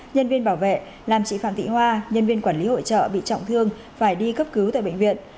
nhân viên bảo vệ làm chị phạm thị hoa nhân viên quản lý hội trợ bị trọng thương phải đi cấp cứu tại bệnh viện